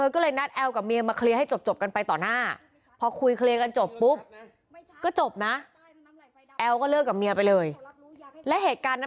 ก็นึกว่าจะจบตั้งแต่๒ปีก่อนแล้ว